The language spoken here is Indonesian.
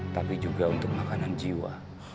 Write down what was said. tapi juga untuk makanan jiwa